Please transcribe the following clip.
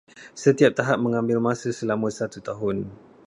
Setiap tahap mengambil masa selama satu tahun.